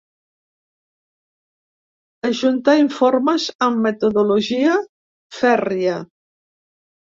Ajuntar informes amb metodologia fèrria.